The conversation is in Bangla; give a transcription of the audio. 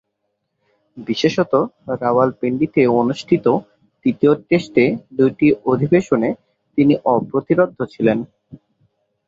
বিশেষতঃ রাওয়ালপিন্ডিতে অনুষ্ঠিত তৃতীয় টেস্টে দুইটি অধিবেশনে তিনি অপ্রতিরোধ্য ছিলেন।